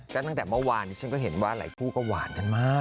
ก็ตั้งแต่เมื่อวานนี้ฉันก็เห็นว่าหลายคู่ก็หวานกันมาก